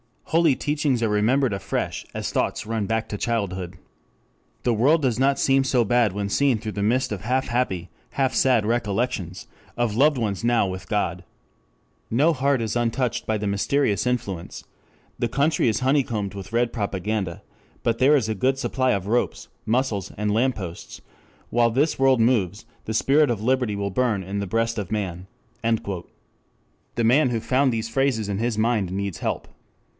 Holy teachings are remembered afresh as thoughts run back to childhood. The world does not seem so bad when seen through the mist of half happy, half sad recollections of loved ones now with God. No heart is untouched by the mysterious influence.... The country is honeycombed with red propaganda but there is a good supply of ropes, muscles and lampposts... while this world moves the spirit of liberty will burn in the breast of man." The man who found these phrases in his mind needs help.